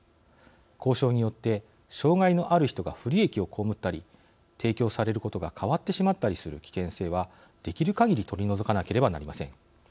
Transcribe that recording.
交渉によって障害のある人が不利益を被ったり提供されることが変わってしまったりする危険性はできるかぎり取り除かなければなりません。